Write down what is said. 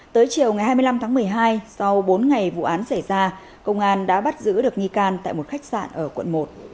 tới chiều ngày hai mươi năm tháng một mươi hai sau bốn ngày vụ án xảy ra công an đã bắt giữ được nghi can tại một khách sạn